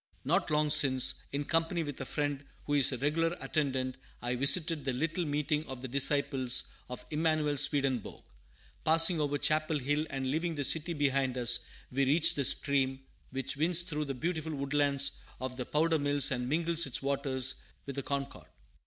Not long since, in company with a friend who is a regular attendant, I visited the little meeting of the disciples of Emanuel Swedenborg. Passing over Chapel Hill and leaving the city behind us, we reached the stream which winds through the beautiful woodlands at the Powder Mills and mingles its waters with the Concord.